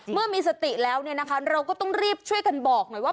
เมื่อมีสติแล้วเนี่ยนะคะเราก็ต้องรีบช่วยกันบอกหน่อยว่า